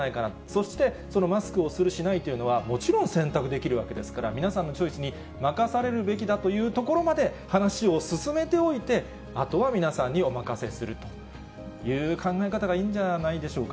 そして、そのマスクをする、しないというのはもちろん選択できるわけですから、皆さんのチョイスに任されるべきだというところまで話を進めておいて、あとは皆さんにお任せするという考え方がいいんじゃないでしょう